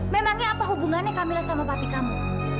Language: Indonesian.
memangnya apa hubungannya camilla sama papi kamu